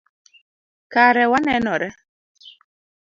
Kare wanenore